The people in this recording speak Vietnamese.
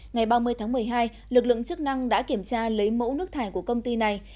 ngày ba mươi tháng một mươi hai lực lượng chức năng đã kiểm tra lấy mẫu nước thải của công ty này